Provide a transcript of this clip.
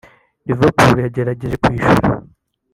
Liverpool yagerageje kwishyura